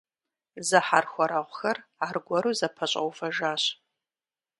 Зэхьэрхуэрэгъухэр аргуэру зэпэщӀэувэжащ.